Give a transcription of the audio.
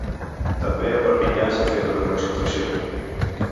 També a Perpinyà s’ha fet una concentració.